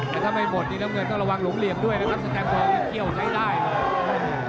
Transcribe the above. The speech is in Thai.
แต่ถ้าไม่หมดนี่น้ำเงินต้องระวังหลุเหลี่ยมด้วยนะครับสแตนฟอร์มเนี่ยเกี่ยวใช้ได้เลย